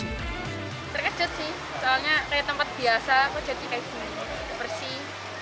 terkejut sih soalnya kayak tempat biasa kok jadi kayak bersih